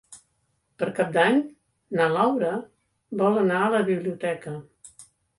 Per Cap d'Any na Laura vol anar a la biblioteca.